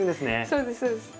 そうですそうです。